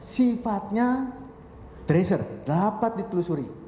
sifatnya treasure dapat ditelusuri